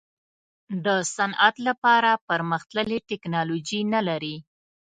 د صنعت لپاره پرمختللې ټیکنالوجي نه لري.